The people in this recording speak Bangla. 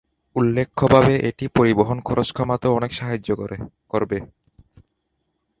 উল্লেখযোগ্য় ভাবে এটি পরিবহন খরচ কমাতে অনেক সাহায্য করবে।